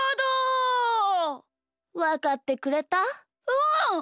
うん！